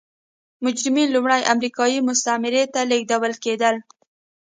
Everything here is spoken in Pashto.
مجرمین لومړی امریکايي مستعمرې ته لېږدول کېدل.